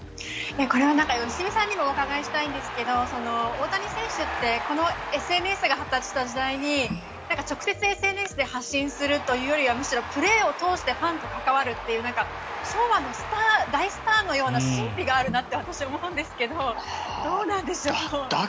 これは良純さんにもお伺いしたいんですけど大谷選手ってＳＮＳが発達した時代に直接ＳＮＳで発信するというよりはむしろプレーを通してファンと関わるというような昭和の大スターのような神秘があるなって私、思うんですけどどうなんでしょう。